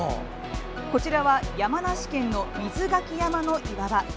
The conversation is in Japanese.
こちらは、山梨県の瑞牆山の岩場。